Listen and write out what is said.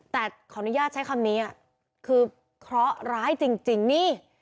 แต่ขออนุญาตใช้คำนี้คือเคราะห์ร้ายจริงนี่